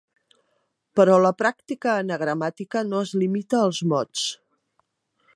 Però la pràctica anagramàtica no es limita als mots.